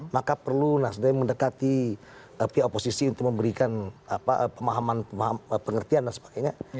maka perlu nasdem mendekati pihak oposisi untuk memberikan pemahaman pengertian dan sebagainya